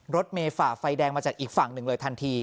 รถเมย์ฝ่าไฟแดงมาจากอีกฝั่งหนึ่งเลยทันที